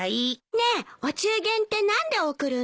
ねえお中元って何で贈るの？